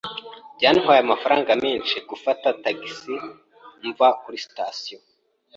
Byantwaye amafaranga menshi gufata tagisi mva kuri sitasiyo.